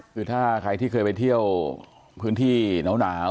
คือถ้าใครที่เคยไปเที่ยวพื้นที่หนาว